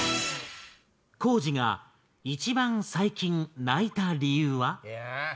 光司が一番最近泣いた理由は？